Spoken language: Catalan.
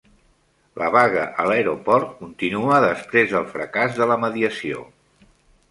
La vaga a l'aeroport continua després del fracàs de la mediació